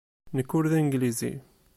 Nekk ur d Anglizi.